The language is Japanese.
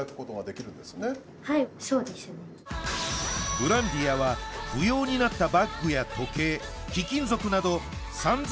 ブランディアは不要になったバッグや時計貴金属など３０００